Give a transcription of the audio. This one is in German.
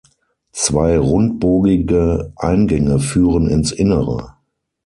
Zwei rundbogige Eingänge führen ins Innere.